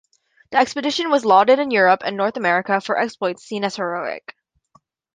The expedition was lauded in Europe and North America for exploits seen as heroic.